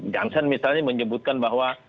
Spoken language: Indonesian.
janssen misalnya menyebutkan bahwa